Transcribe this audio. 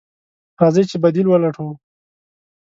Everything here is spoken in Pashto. راځئ چې بديل ولټوو.